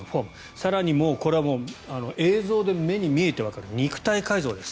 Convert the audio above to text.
更にもうこれは映像で目に見えてわかる肉体改造です。